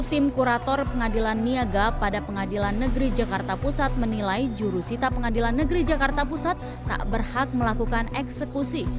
tim kurator pengadilan niaga pada pengadilan negeri jakarta pusat menilai jurusita pengadilan negeri jakarta pusat tak berhak melakukan eksekusi